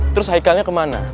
terus haikalnya kemana